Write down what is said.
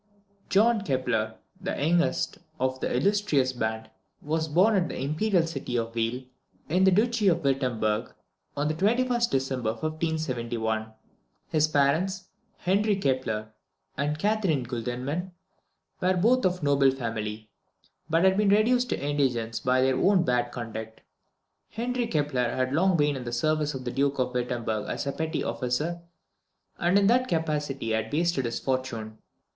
John Kepler, the youngest of this illustrious band, was born at the imperial city of Weil, in the duchy of Wirtemberg, on the 21st December 1571. His parents, Henry Kepler and Catherine Guldenmann, were both of noble family, but had been reduced to indigence by their own bad conduct. Henry Kepler had been long in the service of the Duke of Wirtemberg as a petty officer, and in that capacity had wasted his fortune.